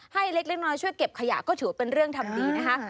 เล็กน้อยช่วยเก็บขยะก็ถือว่าเป็นเรื่องทำดีนะคะ